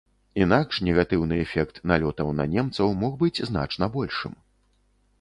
Інакш негатыўны эфект налётаў на немцаў мог быць значна большым.